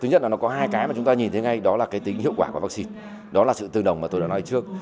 thứ nhất là nó có hai cái mà chúng ta nhìn thấy ngay đó là cái tính hiệu quả của vaccine đó là sự tương đồng mà tôi đã nói trước